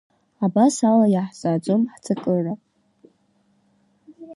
Абас ала иаҳзааӡом ҳҵакыра.